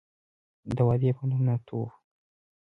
د وادي پنوم نامتو وه.